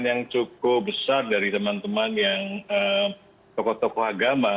yang cukup besar dari teman teman yang tokoh tokoh agama